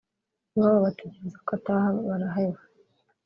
iwabo bategereza ko ataha baraheba